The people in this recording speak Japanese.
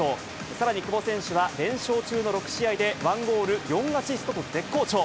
さらに久保選手は連勝中の６試合で、１ゴール４アシストと絶好調。